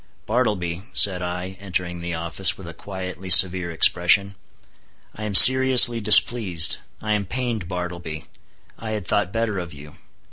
"Bartleby," said I, entering the office, with a quietly severe expression, "I am seriously displeased. I am pained, Bartleby. I had thought better of you.